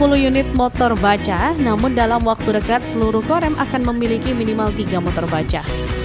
sepuluh unit motor baca namun dalam waktu dekat seluruh korem akan memiliki minimal tiga motor baca